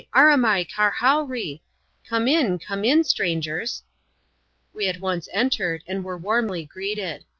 aramai, karhowree!" ("Come in! crane in, strangers!") We at once entered, and were warmly greeted.